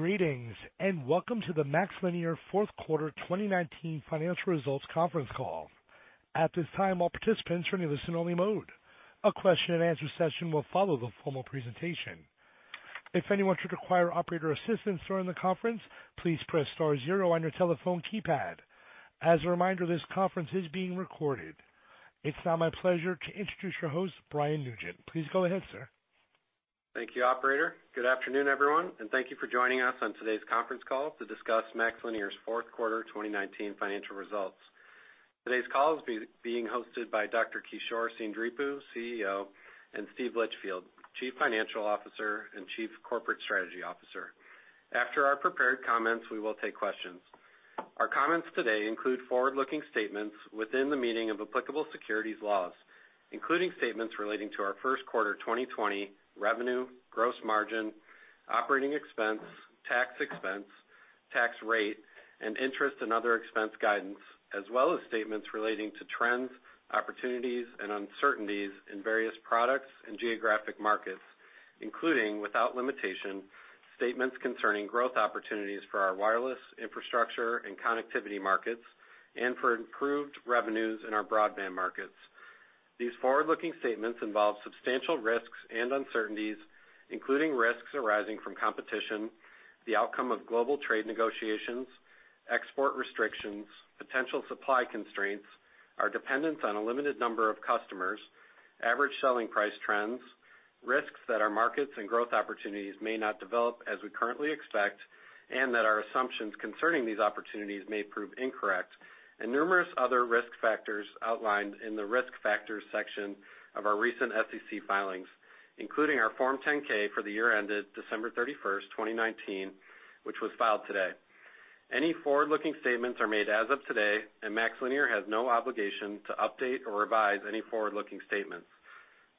Greetings, welcome to the MaxLinear fourth quarter 2019 financial results conference call. At this time, all participants are in listen only mode. A question and answer session will follow the formal presentation. If anyone should require operator assistance during the conference, please press star zero on your telephone keypad. As a reminder, this conference is being recorded. It's now my pleasure to introduce your host, Brian Nugent. Please go ahead, sir. Thank you, operator. Good afternoon, everyone, and thank you for joining us on today's conference call to discuss MaxLinear's fourth quarter 2019 financial results. Today's call is being hosted by Dr. Kishore Seendripu, CEO, and Steve Litchfield, Chief Financial Officer and Chief Corporate Strategy Officer. After our prepared comments, we will take questions. Our comments today include forward-looking statements within the meaning of applicable securities laws, including statements relating to our first quarter 2020 revenue, gross margin, operating expense, tax expense, tax rate, and interest and other expense guidance, as well as statements relating to trends, opportunities, and uncertainties in various products and geographic markets. Including, without limitation, statements concerning growth opportunities for our wireless infrastructure and connectivity markets and for improved revenues in our broadband markets. These forward-looking statements involve substantial risks and uncertainties, including risks arising from competition, the outcome of global trade negotiations, export restrictions, potential supply constraints, our dependence on a limited number of customers, average selling price trends, risks that our markets and growth opportunities may not develop as we currently expect, and that our assumptions concerning these opportunities may prove incorrect. Numerous other risk factors outlined in the risk factor section of our recent SEC filings, including our Form 10-K for the year ended December 31st, 2019, which was filed today. Any forward-looking statements are made as of today, MaxLinear has no obligation to update or revise any forward-looking statements.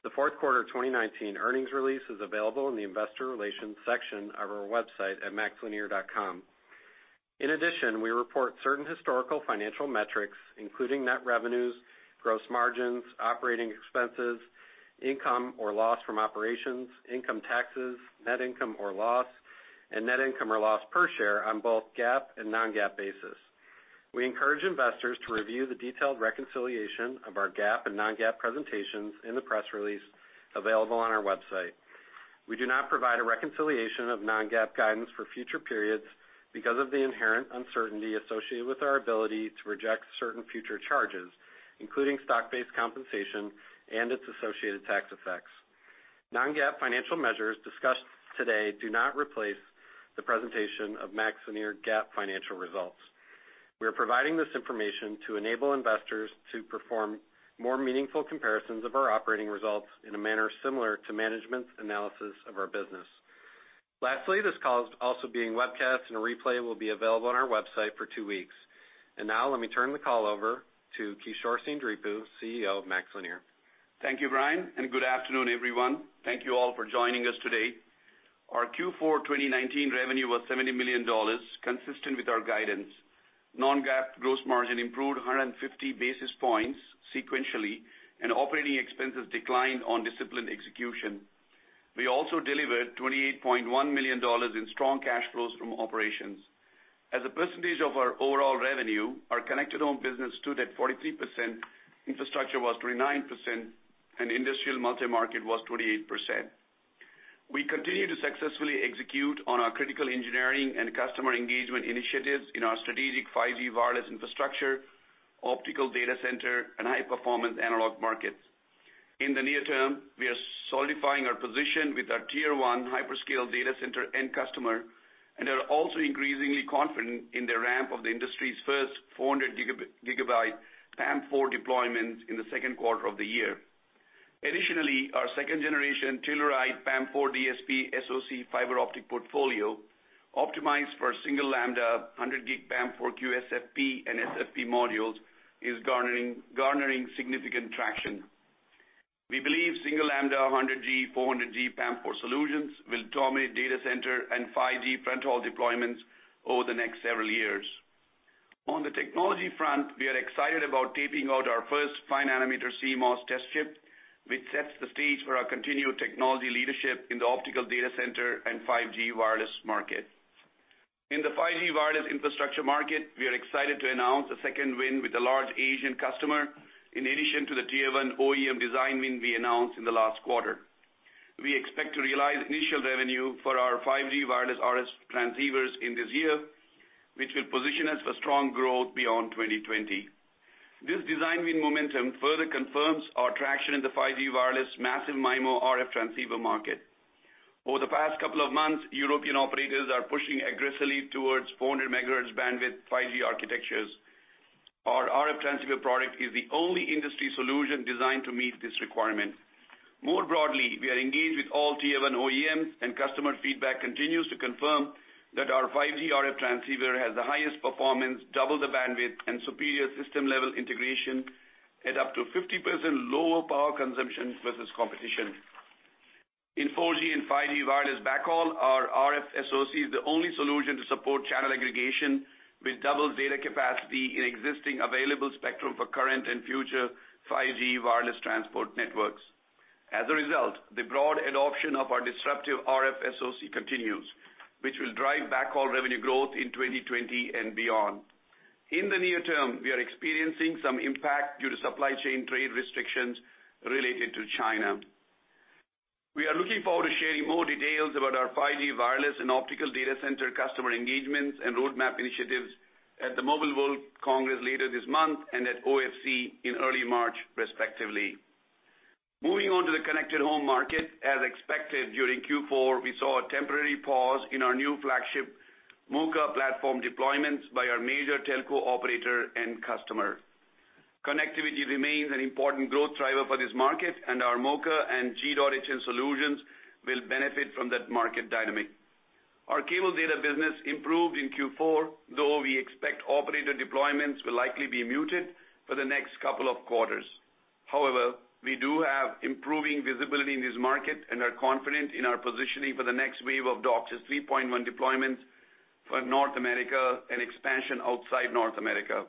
The fourth quarter 2019 earnings release is available in the Investor Relations section of our website at maxlinear.com. In addition, we report certain historical financial metrics, including net revenues, gross margins, operating expenses, income or loss from operations, income taxes, net income or loss, and net income or loss per share on both GAAP and non-GAAP basis. We encourage investors to review the detailed reconciliation of our GAAP and non-GAAP presentations in the press release available on our website. We do not provide a reconciliation of non-GAAP guidance for future periods because of the inherent uncertainty associated with our ability to project certain future charges, including stock-based compensation and its associated tax effects. Non-GAAP financial measures discussed today do not replace the presentation of MaxLinear GAAP financial results. We are providing this information to enable investors to perform more meaningful comparisons of our operating results in a manner similar to management's analysis of our business. Lastly, this call is also being webcast and a replay will be available on our website for two weeks. Now let me turn the call over to Kishore Seendripu, CEO of MaxLinear. Thank you, Brian, and good afternoon, everyone. Thank you all for joining us today. Our Q4 2019 revenue was $70 million, consistent with our guidance. Non-GAAP gross margin improved 150 basis points sequentially, and operating expenses declined on disciplined execution. We also delivered $28.1 million in strong cash flows from operations. As a percentage of our overall revenue, our connected home business stood at 43%, infrastructure was 29%, and industrial multi-market was 28%. We continue to successfully execute on our critical engineering and customer engagement initiatives in our strategic 5G wireless infrastructure, optical data center, and high-performance analog markets. In the near term, we are solidifying our position with our Tier 1 hyperscale data center end customer and are also increasingly confident in the ramp of the industry's first 400G PAM4 deployments in the second quarter of the year. Additionally, our second generation Telluride PAM4 DSP SoC fiber optic portfolio optimized for single lambda 100G PAM4 QSFP and SFP modules is garnering significant traction. We believe single lambda 100G 400G PAM4 solutions will dominate data center and 5G front-haul deployments over the next several years. On the technology front, we are excited about taping out our first five nanometer CMOS test chip, which sets the stage for our continued technology leadership in the optical data center and 5G wireless market. In the 5G wireless infrastructure market, we are excited to announce a second win with a large Asian customer in addition to the Tier 1 OEM design win we announced in the last quarter. We expect to realize initial revenue for our 5G wireless RF transceivers in this year, which will position us for strong growth beyond 2020. This design win momentum further confirms our traction in the 5G wireless massive MIMO RF transceiver market. Over the past couple of months, European operators are pushing aggressively towards 400 MHz bandwidth 5G architectures. Our RF transceiver product is the only industry solution designed to meet this requirement. More broadly, we are engaged with all Tier 1 OEMs, and customer feedback continues to confirm that our 5G RF transceiver has the highest performance, double the bandwidth, and superior system-level integration at up to 50% lower power consumption versus competition. In 4G and 5G wireless backhaul, our RFSoC is the only solution to support channel aggregation with double data capacity in existing available spectrum for current and future 5G wireless transport networks. As a result, the broad adoption of our disruptive RFSoC continues, which will drive back all revenue growth in 2020 and beyond. In the near term, we are experiencing some impact due to supply chain trade restrictions related to China. We are looking forward to sharing more details about our 5G wireless and optical data center customer engagements and roadmap initiatives at the Mobile World Congress later this month and at OFC in early March, respectively. Moving on to the connected home market. As expected, during Q4, we saw a temporary pause in our new flagship MoCA platform deployments by our major telco operator and customer. Connectivity remains an important growth driver for this market, and our MoCA and G.hn solutions will benefit from that market dynamic. Our cable data business improved in Q4, though we expect operator deployments will likely be muted for the next couple of quarters. However, we do have improving visibility in this market and are confident in our positioning for the next wave of DOCSIS 3.1 deployments for North America and expansion outside North America.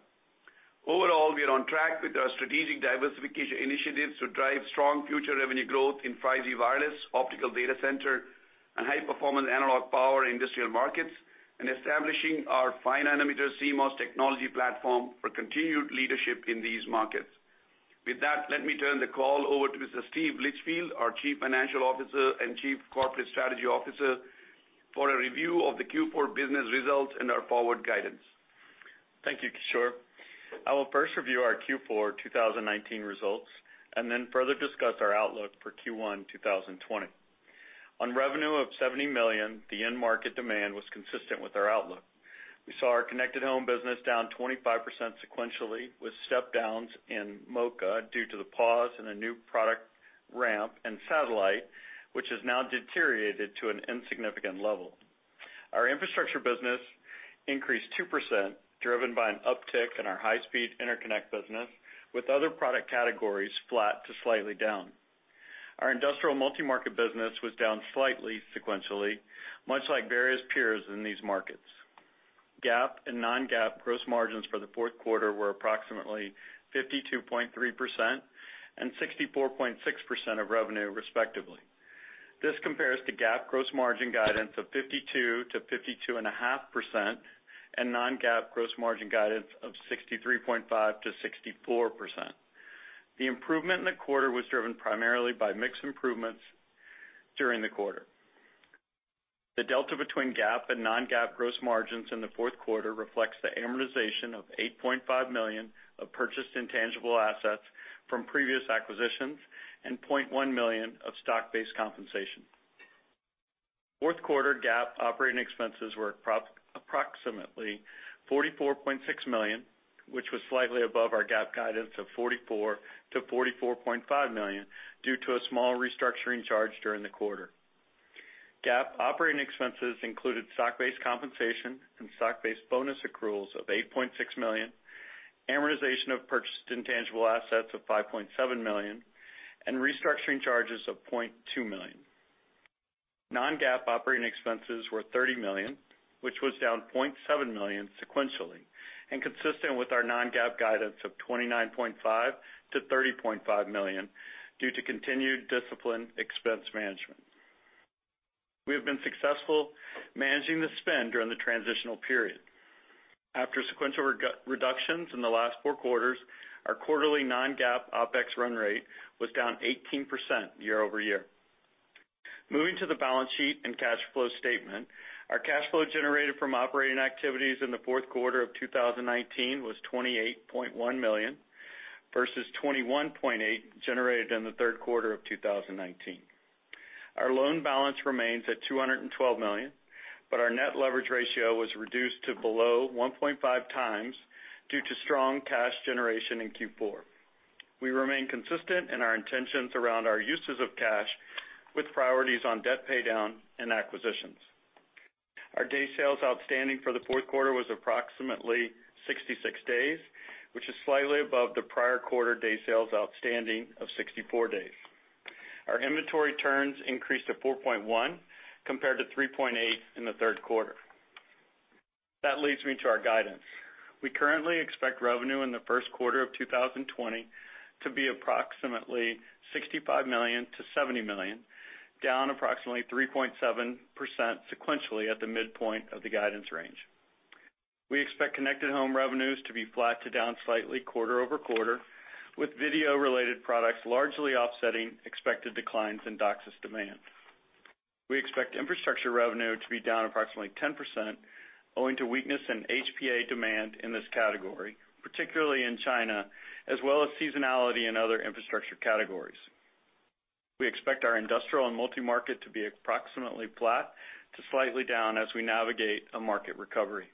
Overall, we are on track with our strategic diversification initiatives to drive strong future revenue growth in 5G wireless, optical data center, and high-performance analog power industrial markets, and establishing our 5-nm CMOS technology platform for continued leadership in these markets. With that, let me turn the call over to Mr. Steve Litchfield, our Chief Financial Officer and Chief Corporate Strategy Officer, for a review of the Q4 business results and our forward guidance. Thank you, Kishore. I will first review our Q4 2019 results and then further discuss our outlook for Q1 2020. On revenue of $70 million, the end market demand was consistent with our outlook. We saw our connected home business down 25% sequentially, with step-downs in MoCA due to the pause in a new product ramp and satellite, which has now deteriorated to an insignificant level. Our infrastructure business increased 2%, driven by an uptick in our high-speed interconnect business, with other product categories flat to slightly down. Our industrial multi-market business was down slightly sequentially, much like various peers in these markets. GAAP and non-GAAP gross margins for the fourth quarter were approximately 52.3% and 64.6% of revenue, respectively. This compares to GAAP gross margin guidance of 52%-52.5% and non-GAAP gross margin guidance of 63.5%-64%. The improvement in the quarter was driven primarily by mix improvements during the quarter. The delta between GAAP and non-GAAP gross margins in the fourth quarter reflects the amortization of $8.5 million of purchased intangible assets from previous acquisitions and $0.1 million of stock-based compensation. Fourth quarter GAAP operating expenses were approximately $44.6 million, which was slightly above our GAAP guidance of $44 million-$44.5 million due to a small restructuring charge during the quarter. GAAP operating expenses included stock-based compensation and stock-based bonus accruals of $8.6 million, amortization of purchased intangible assets of $5.7 million, and restructuring charges of $0.2 million. Non-GAAP operating expenses were $30 million, which was down $0.7 million sequentially, and consistent with our non-GAAP guidance of $29.5 million-$30.5 million due to continued disciplined expense management. We have been successful managing the spend during the transitional period. After sequential reductions in the last four quarters, our quarterly non-GAAP OpEx run rate was down 18% year-over-year. Moving to the balance sheet and cash flow statement. Our cash flow generated from operating activities in the fourth quarter of 2019 was $28.1 million, versus $21.8 million generated in the third quarter of 2019. Our loan balance remains at $212 million, but our net leverage ratio was reduced to below 1.5x due to strong cash generation in Q4. We remain consistent in our intentions around our uses of cash, with priorities on debt paydown and acquisitions. Our day sales outstanding for the fourth quarter was approximately 66 days, which is slightly above the prior quarter day sales outstanding of 64 days. Our inventory turns increased to 4.1, compared to 3.8 in the third quarter. That leads me to our guidance. We currently expect revenue in the first quarter of 2020 to be approximately $65 million-$70 million, down approximately 3.7% sequentially at the midpoint of the guidance range. We expect connected home revenues to be flat to down slightly quarter-over-quarter, with video-related products largely offsetting expected declines in DOCSIS demand. We expect infrastructure revenue to be down approximately 10%, owing to weakness in HPA demand in this category, particularly in China, as well as seasonality in other infrastructure categories. We expect our industrial and multi-market to be approximately flat to slightly down as we navigate a market recovery.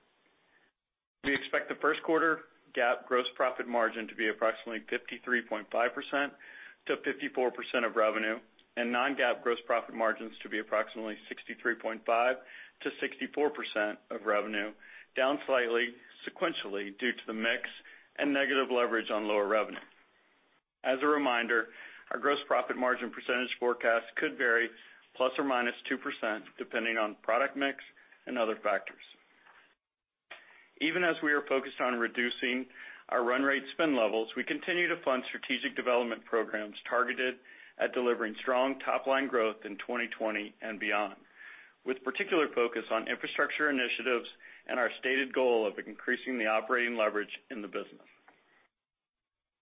We expect the first quarter GAAP gross profit margin to be approximately 53.5%-54% of revenue and non-GAAP gross profit margins to be approximately 63.5%-64% of revenue, down slightly sequentially due to the mix and negative leverage on lower revenue. As a reminder, our gross profit margin percentage forecast could vary ±2% depending on product mix and other factors. Even as we are focused on reducing our run rate spend levels, we continue to fund strategic development programs targeted at delivering strong top-line growth in 2020 and beyond, with particular focus on infrastructure initiatives and our stated goal of increasing the operating leverage in the business.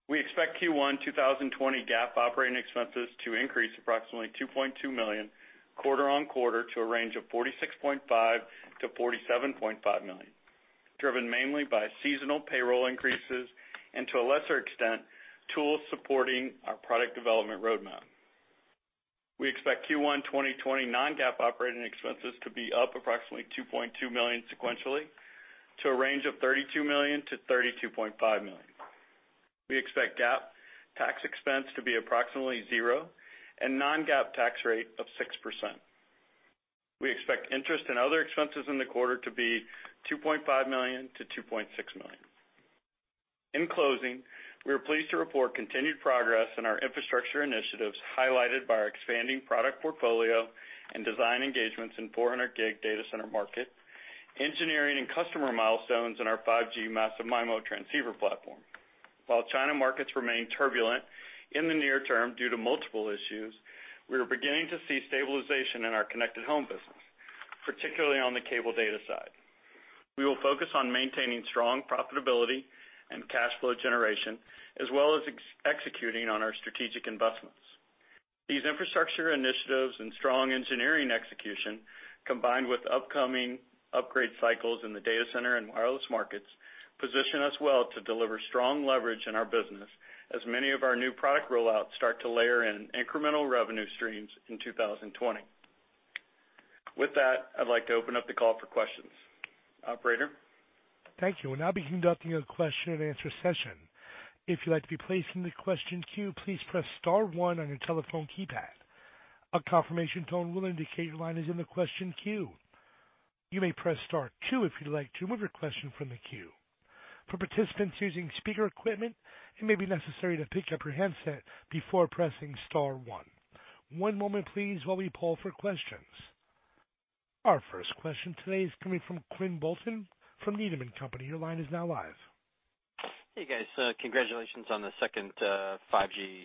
We expect Q1 2020 GAAP operating expenses to increase approximately $2.2 million quarter-over-quarter to a range of $46.5 million-$47.5 million, driven mainly by seasonal payroll increases and, to a lesser extent, tools supporting our product development roadmap. We expect Q1 2020 non-GAAP operating expenses to be up approximately $2.2 million sequentially to a range of $32 million-$32.5 million. We expect GAAP tax expense to be approximately zero and non-GAAP tax rate of 6%. We expect interest and other expenses in the quarter to be $2.5 million-$2.6 million. In closing, we are pleased to report continued progress in our infrastructure initiatives, highlighted by our expanding product portfolio and design engagements in 400G data center market, engineering and customer milestones in our 5G massive MIMO transceiver platform. While China markets remain turbulent in the near term due to multiple issues, we are beginning to see stabilization in our connected home business, particularly on the cable data side. We will focus on maintaining strong profitability and cash flow generation, as well as executing on our strategic investments. These infrastructure initiatives and strong engineering execution, combined with upcoming upgrade cycles in the data center and wireless markets, position us well to deliver strong leverage in our business as many of our new product rollouts start to layer in incremental revenue streams in 2020. With that, I'd like to open up the call for questions. Operator? Thank you. We'll now be conducting a question and answer session. If you'd like to be placed in the question queue, please press star one on your telephone keypad. A confirmation tone will indicate your line is in the question queue. You may press star two if you'd like to remove your question from the queue. For participants using speaker equipment, it may be necessary to pick up your handset before pressing star one. One moment, please, while we poll for questions. Our first question today is coming from Quinn Bolton from Needham & Company. Your line is now live. Hey, guys. Congratulations on the second 5G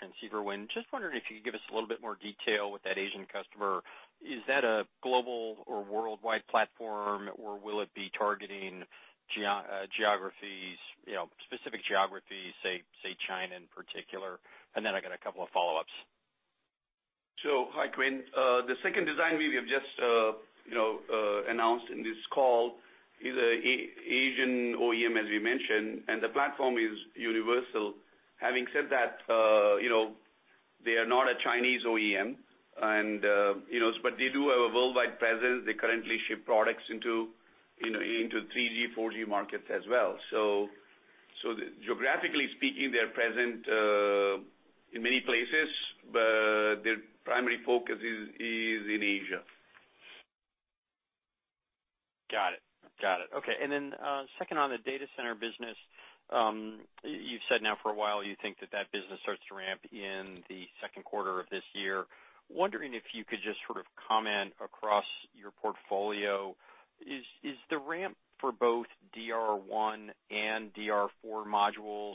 transceiver win. Just wondering if you could give us a little bit more detail with that Asian customer. Is that a global or worldwide platform or will it be targeting specific geographies, say China in particular? I got a couple of follow-ups. Hi, Quinn. The second design win we have just announced in this call is an Asian OEM, as we mentioned, and the platform is universal. Having said that, they are not a Chinese OEM, but they do have a worldwide presence. They currently ship products into 3G, 4G markets as well. Geographically speaking, they're present in many places, but their primary focus is in Asia. Got it. Okay. Second on the data center business. You've said now for a while you think that that business starts to ramp in the second quarter of this year. Wondering if you could just sort of comment across your portfolio. Is the ramp for both DR1 and DR4 modules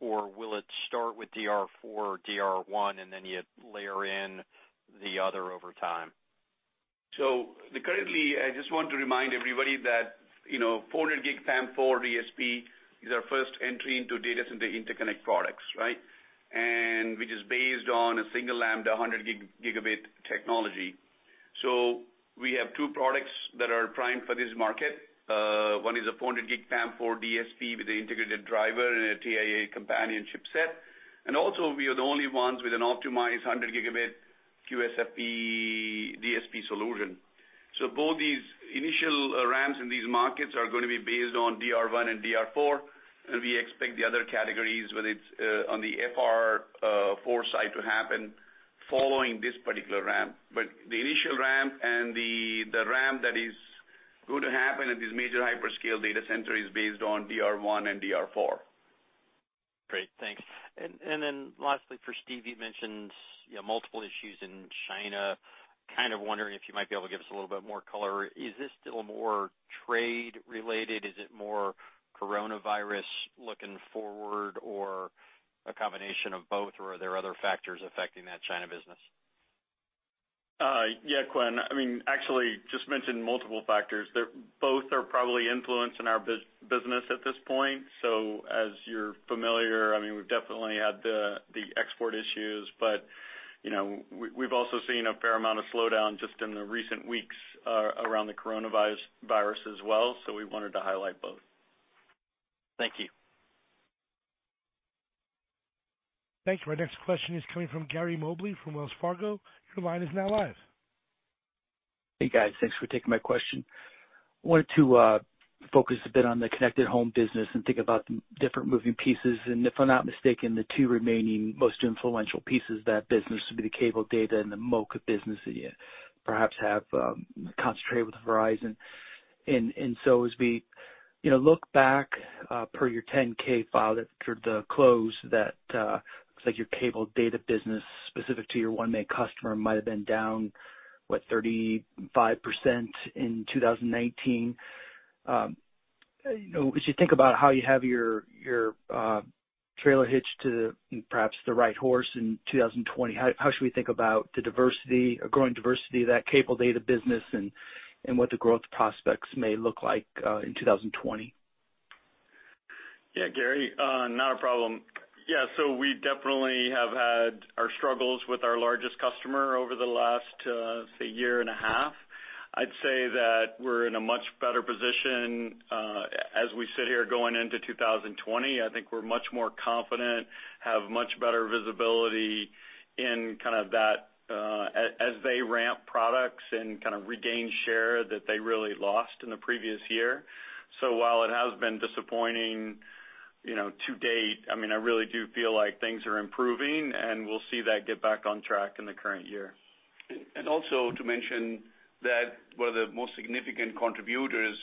or will it start with DR4 or DR1 and then you layer in the other over time? Currently, I just want to remind everybody that 400G PAM4 DSP is our first entry into data center interconnect products, right, which is based on a single lambda 100G technology. We have two products that are primed for this market. One is a 400G PAM4 DSP with an integrated driver and a TIA companion chipset. Also, we are the only ones with an optimized 100G QSFP DSP solution. Both these initial ramps in these markets are going to be based on DR1 and DR4, and we expect the other categories, whether it's on the FR4 side to happen following this particular ramp. The initial ramp and the ramp that is going to happen at this major hyperscale data center is based on DR1 and DR4. Great. Thanks. Lastly for Steve, you mentioned multiple issues in China. Kind of wondering if you might be able to give us a little bit more color? Is this still more trade related? Is it more coronavirus looking forward or a combination of both? Or are there other factors affecting that China business? Yeah, Quinn. I mean, actually just mentioned multiple factors. Both are probably influencing our business at this point. As you're familiar, we've definitely had the export issues, but we've also seen a fair amount of slowdown just in the recent weeks around the coronavirus as well. We wanted to highlight both. Thank you. Thank you. Our next question is coming from Gary Mobley from Wells Fargo. Your line is now live. Hey, guys. Thanks for taking my question. Wanted to focus a bit on the connected home business and think about the different moving pieces. If I'm not mistaken, the two remaining most influential pieces of that business would be the cable data and the MoCA business that you perhaps have concentrated with Verizon. As we look back per your 10-K file that closed, that looks like your cable data business specific to your one main customer might have been down, what, 35% in 2019? As you think about how you have your trailer hitched to perhaps the right horse in 2020, how should we think about the growing diversity of that cable data business and what the growth prospects may look like, in 2020? Yeah, Gary, not a problem. We definitely have had our struggles with our largest customer over the last, say, year and a half. I'd say that we're in a much better position, as we sit here going into 2020. I think we're much more confident, have much better visibility in kind of that, as they ramp products and kind of regain share that they really lost in the previous year. While it has been disappointing to date, I really do feel like things are improving, and we'll see that get back on track in the current year. Also to mention that one of the most significant contributors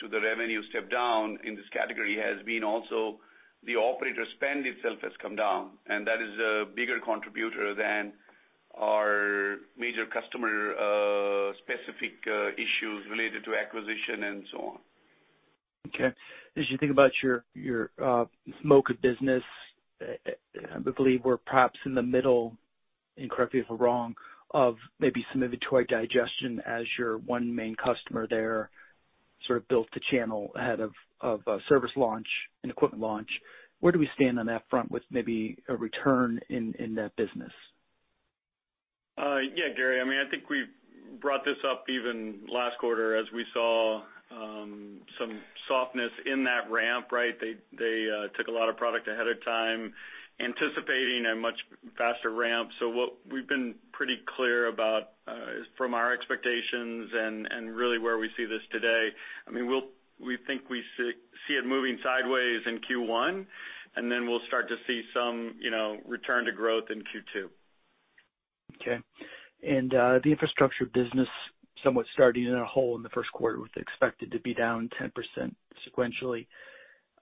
to the revenue step-down in this category has been also the operator spend itself has come down, and that is a bigger contributor than our major customer-specific issues related to acquisition and so on. Okay. As you think about your MoCA business, I believe we are perhaps in the middle, and correct me if I am wrong, of maybe some inventory digestion as your one main customer there sort of built the channel ahead of service launch and equipment launch. Where do we stand on that front with maybe a return in that business? Yeah, Gary, I think we brought this up even last quarter as we saw some softness in that ramp, right? They took a lot of product ahead of time, anticipating a much faster ramp. What we've been pretty clear about, from our expectations and really where we see this today, we think we see it moving sideways in Q1, and then we'll start to see some return to growth in Q2. Okay. The infrastructure business somewhat starting in a hole in the first quarter with expected to be down 10% sequentially.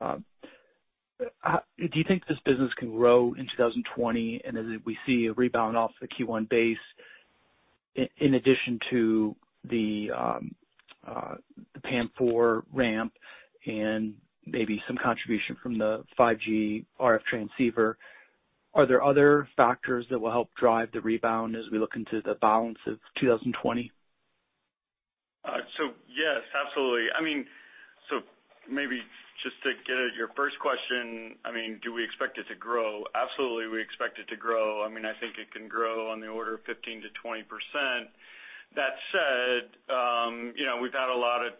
Do you think this business can grow in 2020? As we see a rebound off the Q1 base, in addition to the PAM4 ramp and maybe some contribution from the 5G RF transceiver, are there other factors that will help drive the rebound as we look into the balance of 2020? Yes, absolutely. Maybe just to get at your first question, do we expect it to grow? Absolutely, we expect it to grow. I think it can grow on the order of 15%-20%. That said, we've had a lot of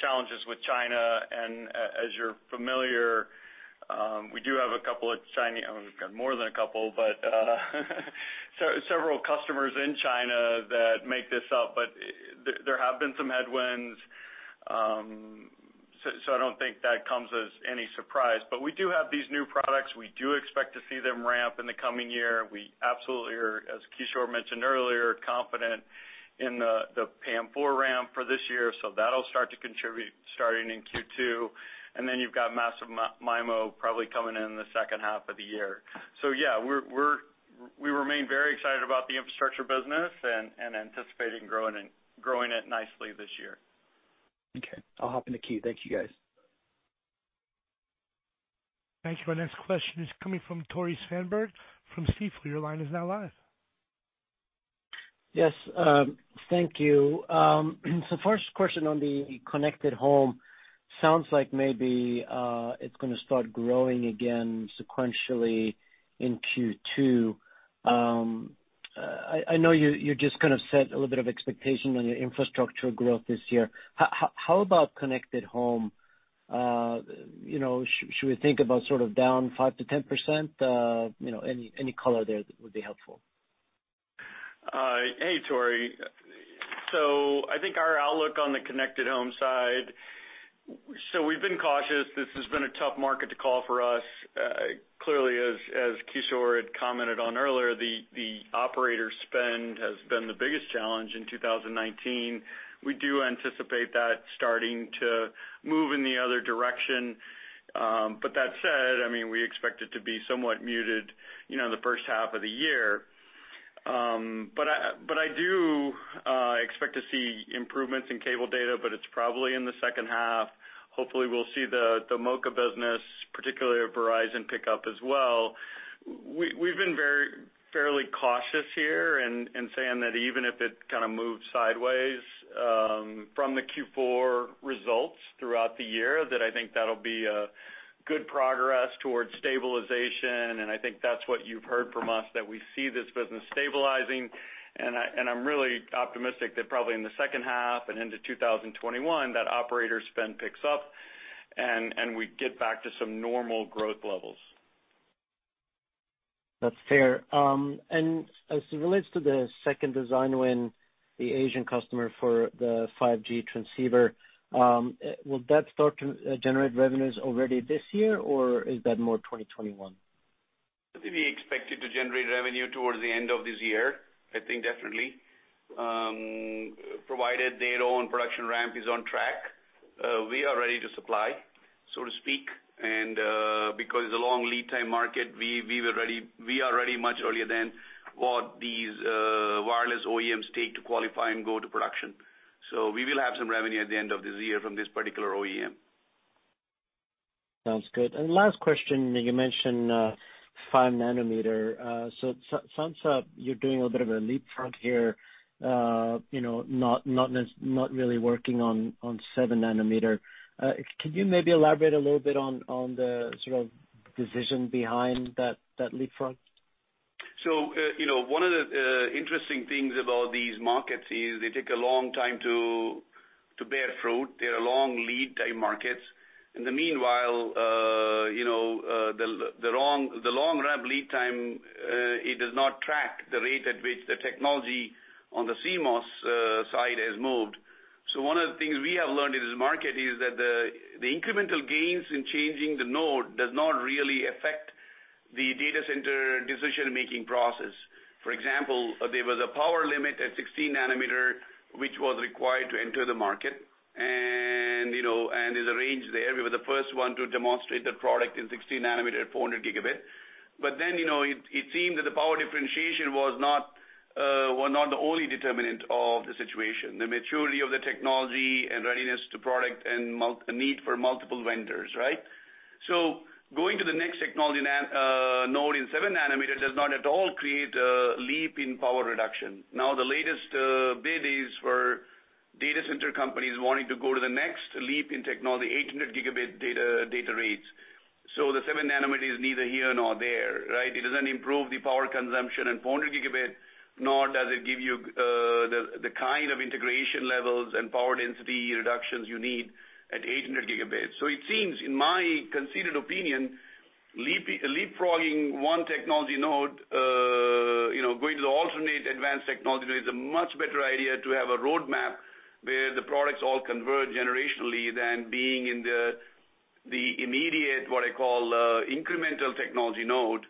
challenges with China, and as you're familiar, we do have a couple of more than a couple, but several customers in China that make this up. There have been some headwinds. I don't think that comes as any surprise. We do have these new products. We do expect to see them ramp in the coming year. We absolutely are, as Kishore mentioned earlier, confident in the PAM4 ramp for this year. That'll start to contribute starting in Q2. You've got massive MIMO probably coming in the second half of the year. Yeah, we remain very excited about the infrastructure business and anticipating growing it nicely this year. Okay, I'll hop in the queue. Thank you, guys. Thank you. Our next question is coming from Tore Svanberg from Stifel. Your line is now live. Yes, thank you. First question on the connected home. Sounds like maybe, it's going to start growing again sequentially in Q2. I know you just kind of set a little bit of expectation on your infrastructure growth this year. How about connected home? Should we think about sort of down 5%-10%? Any color there would be helpful. Hey, Tore. I think our outlook on the connected home side, so we've been cautious. This has been a tough market to call for us. Clearly, as Kishore had commented on earlier, the operator spend has been the biggest challenge in 2019. We do anticipate that starting to move in the other direction. That said, we expect it to be somewhat muted the first half of the year. I do expect to see improvements in cable data, but it's probably in the second half. Hopefully, we'll see the MoCA business, particularly at Verizon, pick up as well. We've been fairly cautious here in saying that even if it kind of moves sideways from the Q4 results throughout the year, that I think that'll be a good progress towards stabilization. I think that's what you've heard from us, that we see this business stabilizing. I'm really optimistic that probably in the second half and into 2021, that operator spend picks up and we get back to some normal growth levels. That's fair. As it relates to the second design win, the Asian customer for the 5G transceiver, will that start to generate revenues already this year, or is that more 2021? We expect it to generate revenue towards the end of this year. I think definitely. Provided their own production ramp is on track, we are ready to supply, so to speak, and because it's a long lead time market, we are ready much earlier than what these wireless OEMs take to qualify and go to production. We will have some revenue at the end of this year from this particular OEM. Sounds good. Last question, you mentioned 5 nm. It sounds you're doing a bit of a leapfrog here, not really working on 7 nm. Can you maybe elaborate a little bit on the sort of decision behind that leapfrog? One of the interesting things about these markets is they take a long time to bear fruit. They are long lead time markets. In the meanwhile, the long ramp lead time, it does not track the rate at which the technology on the CMOS side has moved. One of the things we have learned in this market is that the incremental gains in changing the node does not really affect the data center decision-making process. For example, there was a power limit at 16 nm, which was required to enter the market, and there's a range there. We were the first one to demonstrate the product in 16 nm at 400G. It seemed that the power differentiation was not the only determinant of the situation. The maturity of the technology and readiness to product and a need for multiple vendors, right? Going to the next technology node in seven nanometer does not at all create a leap in power reduction. Now, the latest bid is for data center companies wanting to go to the next leap in technology, 800G data rates. The 7 nm is neither here nor there, right? It doesn't improve the power consumption in 400G, nor does it give you the kind of integration levels and power density reductions you need at 800G. It seems, in my considered opinion, leapfrogging one technology node, going to the alternate advanced technology node is a much better idea to have a roadmap where the products all converge generationally than being in the immediate, what I call, incremental technology node.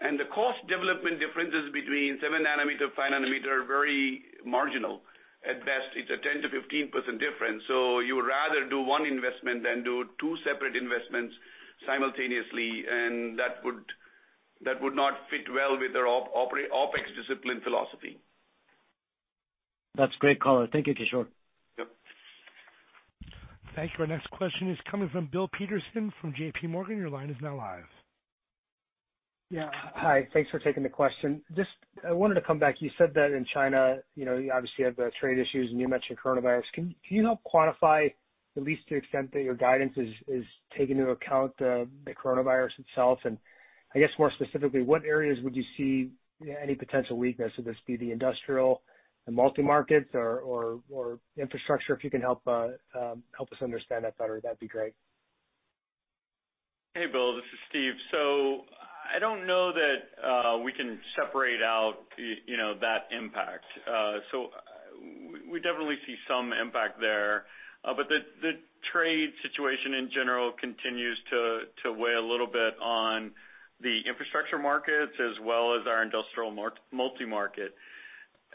The cost development differences between seven nanometer, five nanometer, are very marginal. At best, it's a 10%-15% difference. You would rather do one investment than do two separate investments simultaneously, and that would not fit well with our OpEx discipline philosophy. That's great color. Thank you, Kishore. Yep. Thank you. Our next question is coming from Bill Peterson from JPMorgan. Your line is now live. Hi, thanks for taking the question. I wanted to come back. You said that in China, you obviously have the trade issues, and you mentioned coronavirus. Can you help quantify, at least to the extent that your guidance is taking into account the coronavirus itself? I guess more specifically, what areas would you see any potential weakness? Would this be the industrial, the multi-markets or infrastructure? If you can help us understand that better, that'd be great. Hey, Bill, this is Steve. I don't know that we can separate out that impact. We definitely see some impact there. The trade situation in general continues to weigh a little bit on the infrastructure markets as well as our industrial multi-market.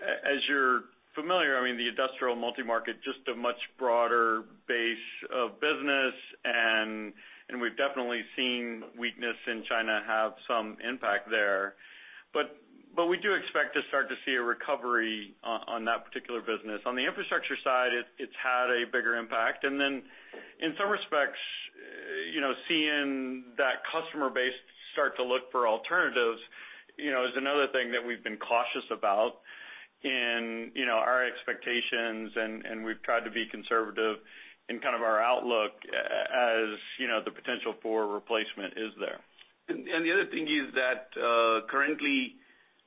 As you're familiar, I mean, the industrial multi-market, just a much broader base of business, and we've definitely seen weakness in China have some impact there. We do expect to start to see a recovery on that particular business. On the infrastructure side, it's had a bigger impact. In some respects, seeing that customer base start to look for alternatives is another thing that we've been cautious about in our expectations, and we've tried to be conservative in kind of our outlook, as the potential for replacement is there. The other thing is that, currently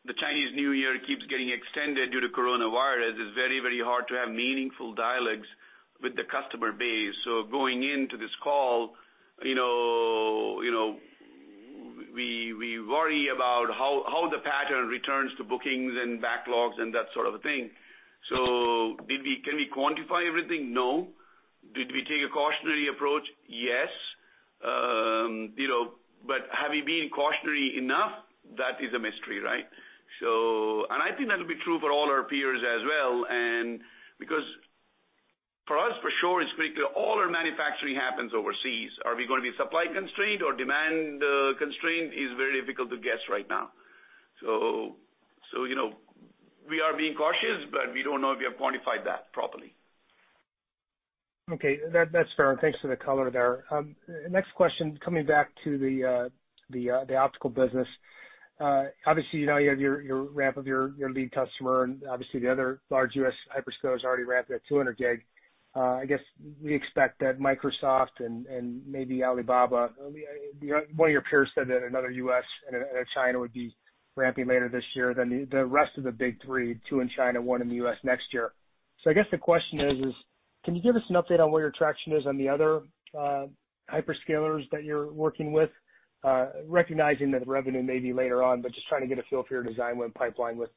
the Chinese New Year keeps getting extended due to coronavirus. It's very hard to have meaningful dialogues with the customer base. Going into this call, we worry about how the pattern returns to bookings and backlogs and that sort of thing. Can we quantify everything? No. Did we take a cautionary approach? Yes. Have we been cautionary enough? That is a mystery, right? I think that'll be true for all our peers as well. Because for us, for sure, it's critical, all our manufacturing happens overseas. Are we going to be supply-constrained or demand-constrained is very difficult to guess right now. We are being cautious, but we don't know if we have quantified that properly. Okay. That's fair. Thanks for the color there. Next question, coming back to the optical business. Now you have your ramp of your lead customer, and obviously the other large U.S. hyperscalers already ramped at 200G. I guess we expect that Microsoft and maybe Alibaba, one of your peers said that another U.S. and China would be ramping later this year than the rest of the big three, two in China, one in the U.S. next year. I guess the question is, can you give us an update on where your traction is on the other hyperscalers that you're working with, recognizing that the revenue may be later on, but just trying to get a feel for your design win pipeline with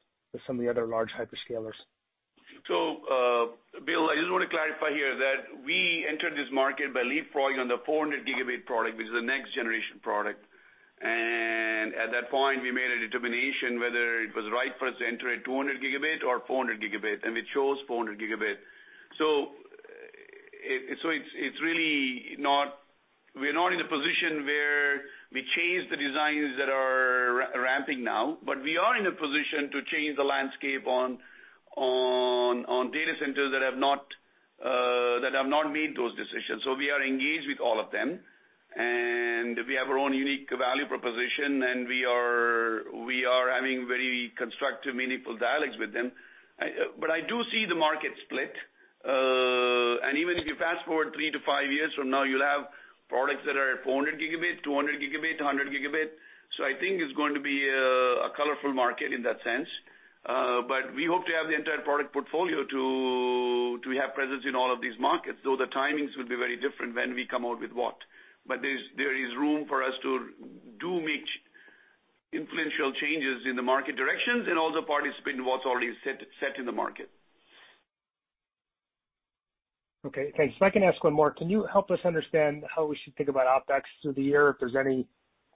some of the other large hyperscalers? I just want to clarify here that we entered this market by leapfrogging on the 400G product, which is a next generation product. At that point, we made a determination whether it was right for us to enter at 200G or 400G. We chose 400G. We're not in a position where we change the designs that are ramping now. We are in a position to change the landscape on data centers that have not made those decisions. We are engaged with all of them. We have our own unique value proposition. We are having very constructive, meaningful dialogues with them. I do see the market split. Even if you fast-forward three to five years from now, you'll have products that are at 400G, 200G, 100G. I think it's going to be a colorful market in that sense. We hope to have the entire product portfolio to have presence in all of these markets, though the timings will be very different when we come out with what. There is room for us to do make influential changes in the market directions and also participate in what's already set in the market. Okay, thanks. If I can ask one more, can you help us understand how we should think about OpEx through the year? If there's any,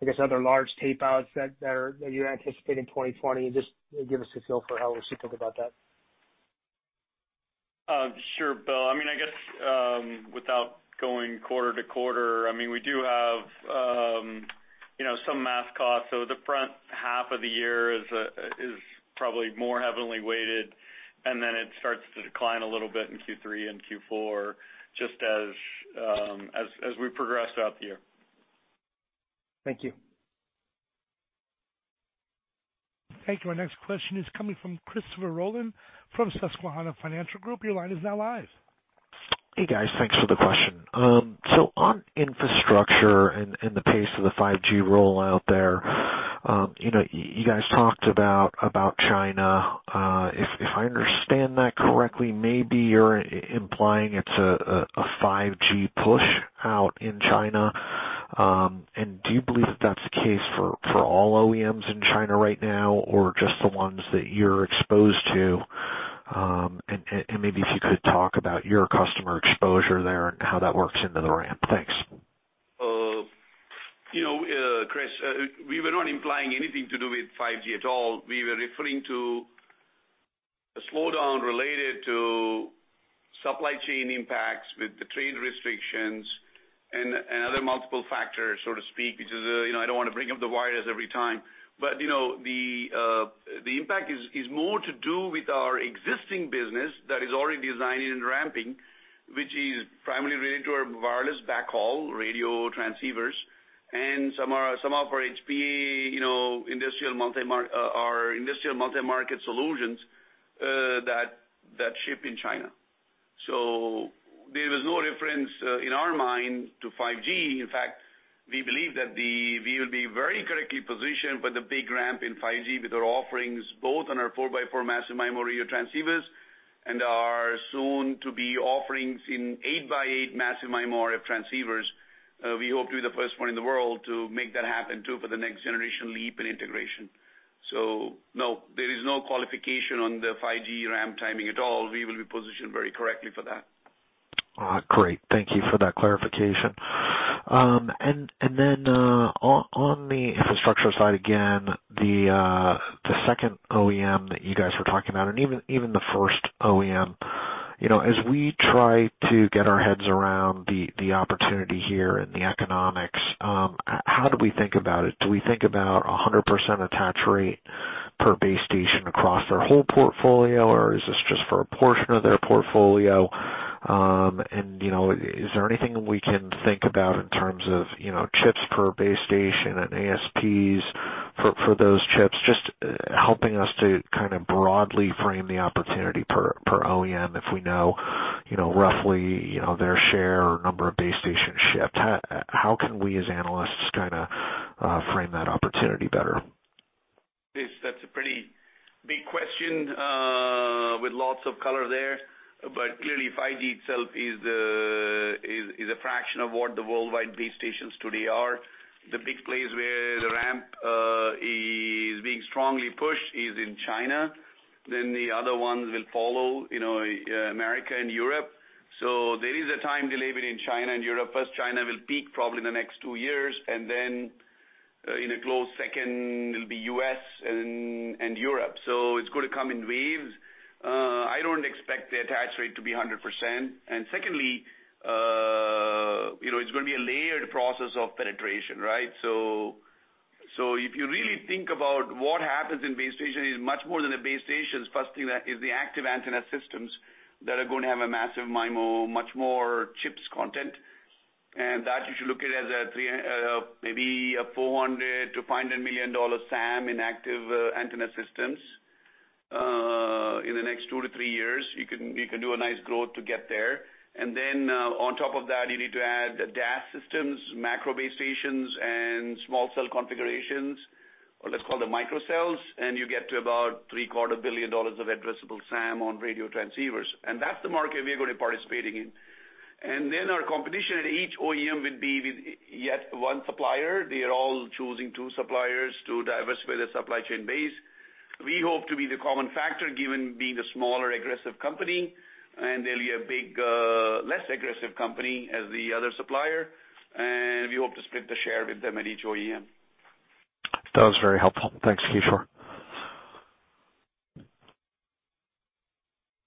I guess, other large tapeouts that you anticipate in 2020, and just give us a feel for how we should think about that. Sure, Bill. I guess, without going quarter-to-quarter, we do have some mask costs. The front half of the year is probably more heavily weighted, and then it starts to decline a little bit in Q3 and Q4 just as we progress throughout the year. Thank you. Thank you. Our next question is coming from Christopher Rolland from Susquehanna Financial Group. Your line is now live. Hey, guys. Thanks for the question. On infrastructure and the pace of the 5G rollout there, you guys talked about China. If I understand that correctly, maybe you're implying it's a 5G pushout in China. Do you believe that that's the case for all OEMs in China right now, or just the ones that you're exposed to? Maybe if you could talk about your customer exposure there and how that works into the ramp. Thanks. Chris, we were not implying anything to do with 5G at all. We were referring to a slowdown related to supply chain impacts with the trade restrictions and other multiple factors, so to speak, which is, I don't want to bring up the wires every time. The impact is more to do with our existing business that is already designing and ramping, which is primarily related to our wireless backhaul radio transceivers and some of our HPA industrial multi-market solutions that ship in China. There is no reference in our mind to 5G. In fact, we believe that we will be very correctly positioned for the big ramp in 5G with our offerings both on our 4x4 massive MIMO radio transceivers and our soon-to-be offerings in 8x8 massive MIMO RF transceivers. We hope to be the first one in the world to make that happen, too, for the next generation leap in integration. No, there is no qualification on the 5G ramp timing at all. We will be positioned very correctly for that. Great. Thank you for that clarification. Then on the infrastructure side again, the second OEM that you guys were talking about and even the first OEM, as we try to get our heads around the opportunity here and the economics, how do we think about it? Do we think about 100% attach rate per base station across their whole portfolio, or is this just for a portion of their portfolio? Is there anything we can think about in terms of chips per base station and ASPs for those chips? Just helping us to kind of broadly frame the opportunity per OEM, if we know roughly their share or number of base stations shipped. How can we, as analysts, kind of frame that opportunity better? Chris, that's a pretty big question with lots of color there. Clearly, 5G itself is a fraction of what the worldwide base stations today are. The other ones will follow, America and Europe. First, China will peak probably in the next two years, and then in a close second, it'll be U.S. and Europe. It's going to come in waves. I don't expect the attach rate to be 100%. Secondly, it's going to be a layered process of penetration, right? If you really think about what happens in base station, it's much more than the base stations. First thing is the active antenna systems that are going to have a massive MIMO, much more chips content. That you should look at as maybe a $400 million-$500 million SAM in active antenna systems in the next two to three years. You can do a nice growth to get there. On top of that, you need to add DAS systems, macro base stations, and small cell configurations, or let's call them micro cells, and you get to about three-quarter billion dollars of addressable SAM on radio transceivers. That's the market we're going to be participating in. Our competition at each OEM will be with yet one supplier. They are all choosing two suppliers to diversify their supply chain base. We hope to be the common factor, given being the smaller, aggressive company, and there'll be a big, less aggressive company as the other supplier, and we hope to split the share with them at each OEM. That was very helpful. Thanks, Kishore.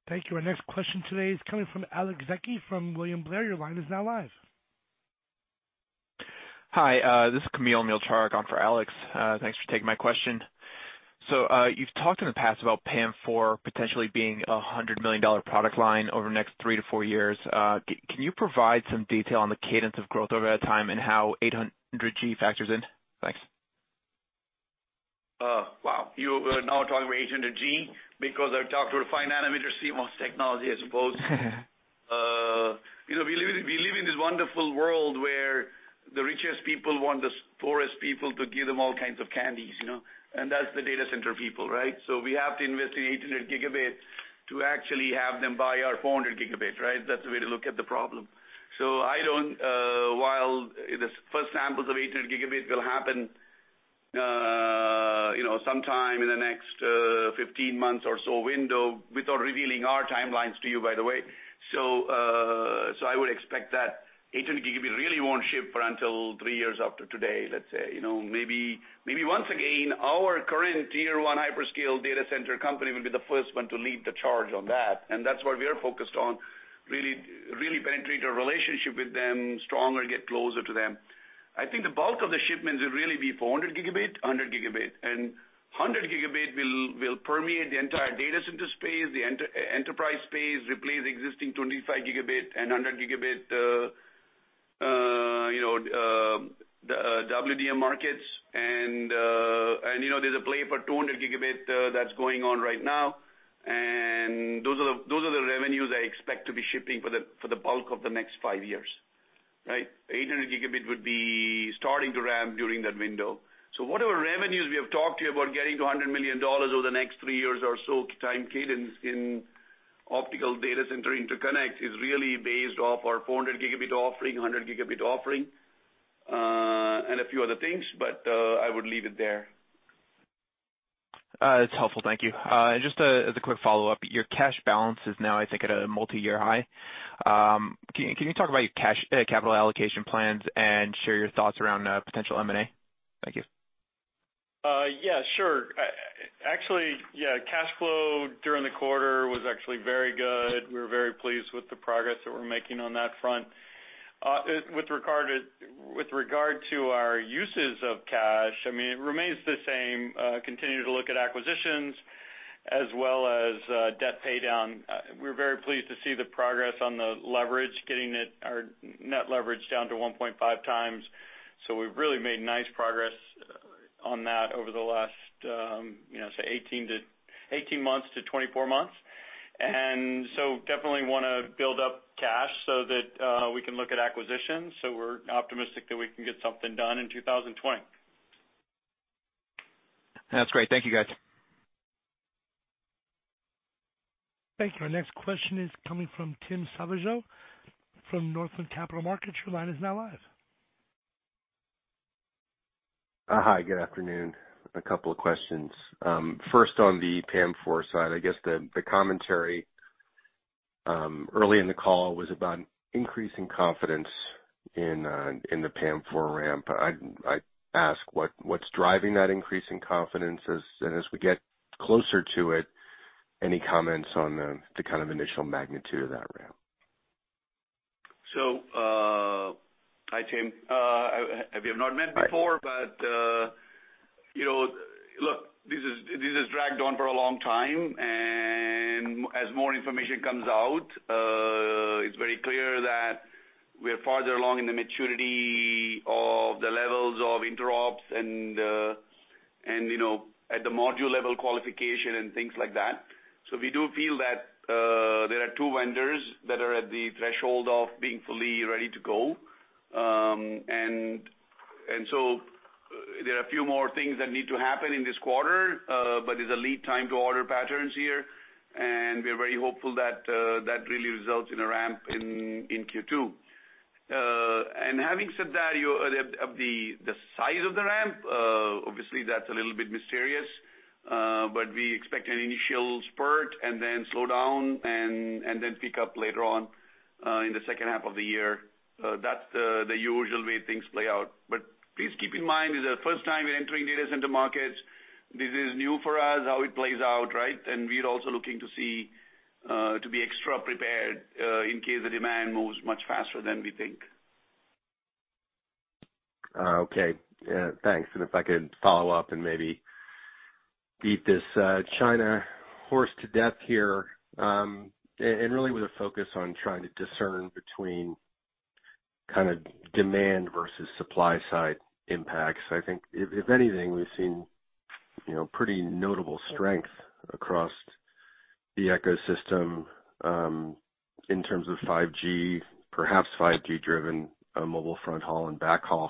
Thank you. Our next question today is coming from Alex Zaki from William Blair. Your line is now live. Hi. This is Kamil Mielczarek on for Alex. Thanks for taking my question. You've talked in the past about PAM4 potentially being a $100 million product line over the next three to four years. Can you provide some detail on the cadence of growth over that time and how 800G factors in? Thanks. Oh, wow. You are now talking about 800G because I talked about a 5-nm CMOS technology, I suppose. We live in this wonderful world where the richest people want the poorest people to give them all kinds of candies. That's the data center people, right? We have to invest in 800G to actually have them buy our 400G, right? That's the way to look at the problem. While the first samples of 800G will happen, sometime in the next 15 months or so window, without revealing our timelines to you, by the way. I would expect that 800G really won't ship until three years after today, let's say. Maybe once again, our current Tier 1 hyperscale data center company will be the first one to lead the charge on that, and that's what we are focused on, really penetrate a relationship with them, stronger, get closer to them. I think the bulk of the shipments will really be 400G, 100G. 100G will permeate the entire data center space, the enterprise space, replace existing 25G and 100G, the WDM markets. There's a play for 200G that's going on right now. Those are the revenues I expect to be shipping for the bulk of the next five years. Right? 800G would be starting to ramp during that window. Whatever revenues we have talked to you about getting to $100 million over the next three years or so time cadence in optical data center interconnect is really based off our 400G offering, 100G offering, and a few other things, but, I would leave it there. It's helpful. Thank you. Just as a quick follow-up, your cash balance is now, I think, at a multi-year high. Can you talk about your capital allocation plans and share your thoughts around potential M&A? Thank you. Yeah, sure. Actually, cash flow during the quarter was actually very good. We're very pleased with the progress that we're making on that front. With regard to our uses of cash, it remains the same. Continue to look at acquisitions as well as debt paydown. We're very pleased to see the progress on the leverage, getting our net leverage down to 1.5x. We've really made nice progress on that over the last, say 18 months to 24 months. Definitely want to build up cash so that we can look at acquisitions. We're optimistic that we can get something done in 2020. That's great. Thank you, guys. Thank you. Our next question is coming from Tim Savageaux from Northland Capital Markets. Your line is now live. Hi. Good afternoon. A couple of questions. First on the PAM4 side, I guess the commentary early in the call was about increasing confidence in the PAM4 ramp. I'd ask what's driving that increase in confidence as we get closer to it, any comments on the kind of initial magnitude of that ramp? Hi, Tim. We have not met before. Look, this has dragged on for a long time, and as more information comes out, it's very clear that we're farther along in the maturity of the levels of interops and at the module level qualification and things like that. We do feel that there are two vendors that are at the threshold of being fully ready to go. There are a few more things that need to happen in this quarter, but there's a lead time to order patterns here, and we're very hopeful that really results in a ramp in Q2. Having said that, the size of the ramp, obviously that's a little bit mysterious. We expect an initial spurt and then slow down and then pick up later on in the second half of the year. That's the usual way things play out. Please keep in mind, this is the first time we're entering data center markets. This is new for us, how it plays out, right? We're also looking to be extra prepared, in case the demand moves much faster than we think. Okay. Thanks. If I could follow up and maybe beat this China horse to death here, and really with a focus on trying to discern between demand versus supply side impacts. I think if anything, we've seen pretty notable strength across the ecosystem, in terms of 5G, perhaps 5G-driven mobile fronthaul and backhaul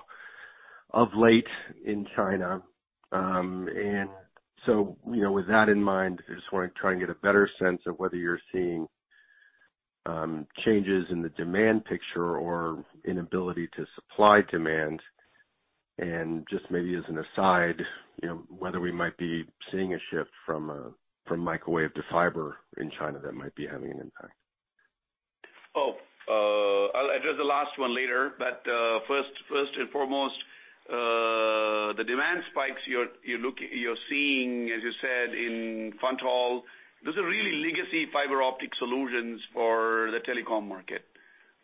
of late in China. With that in mind, I just want to try and get a better sense of whether you're seeing changes in the demand picture or inability to supply demand, and just maybe as an aside, whether we might be seeing a shift from microwave to fiber in China that might be having an impact. I'll address the last one later. First and foremost, the demand spikes you're seeing, as you said, in fronthaul. Those are really legacy fiber optic solutions for the telecom market.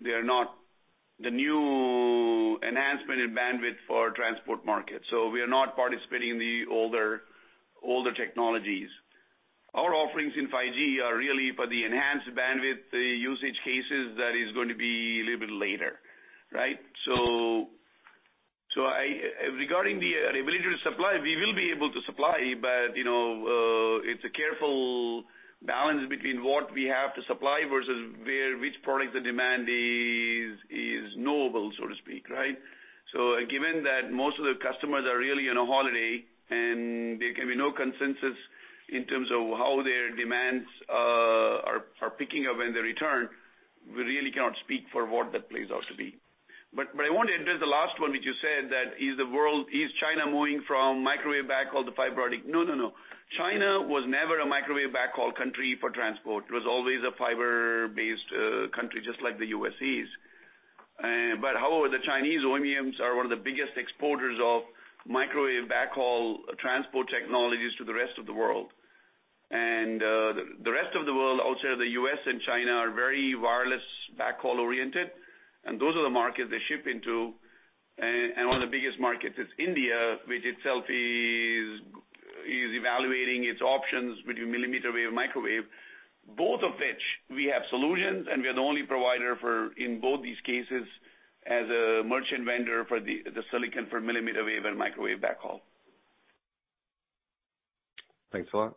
We are not participating in the older technologies. Our offerings in 5G are really for the enhanced bandwidth usage cases that is going to be a little bit later. Right? Regarding the ability to supply, we will be able to supply, but it's a careful balance between what we have to supply versus which product the demand is knowable, so to speak, right? Given that most of the customers are really on a holiday, and there can be no consensus in terms of how their demands are picking up when they return, we really cannot speak for what that plays out to be. I want to address the last one, which you said that, is China moving from microwave backhaul to fiber optic? No. China was never a microwave backhaul country for transport. It was always a fiber-based country, just like the U.S. is. However, the Chinese OEMs are one of the biggest exporters of microwave backhaul transport technologies to the rest of the world. The rest of the world, outside of the U.S. and China, are very wireless backhaul-oriented, and those are the markets they ship into. One of the biggest markets is India, which itself is evaluating its options between millimeter wave microwave, both of which we have solutions, and we are the only provider for, in both these cases, as a merchant vendor for the silicon for millimeter wave and microwave backhaul. Thanks a lot.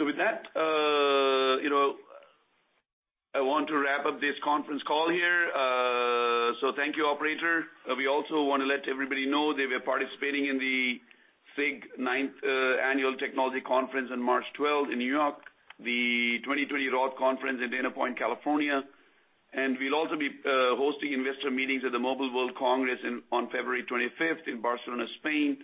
With that, I want to wrap up this conference call here. Thank you, operator. We also want to let everybody know that we're participating in the SIG 9th Annual Technology Conference on March 12th in New York, the 2020 ROTH Conference in Dana Point, California, and we'll also be hosting investor meetings at the Mobile World Congress on February 25th in Barcelona, Spain,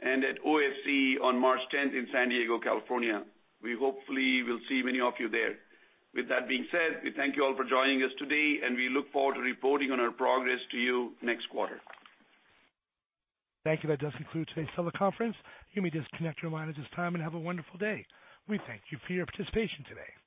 and at OFC on March 10th in San Diego, California. We hopefully will see many of you there. With that being said, we thank you all for joining us today, and we look forward to reporting on our progress to you next quarter. Thank you. That does conclude today's teleconference. You may disconnect your line at this time and have a wonderful day. We thank you for your participation today.